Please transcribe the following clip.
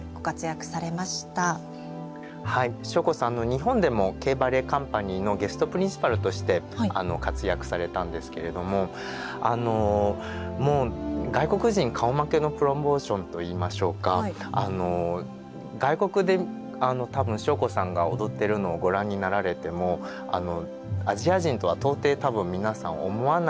日本でもＫバレエカンパニーのゲスト・プリンシパルとして活躍されたんですけれどもあのもう外国人顔負けのプロポーションといいましょうか外国で多分祥子さんが踊ってるのをご覧になられてもアジア人とは到底多分皆さん思わないプロポーションの持ち主なんですね。